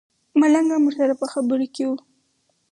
ملنګ ورسره په خبرو کې و.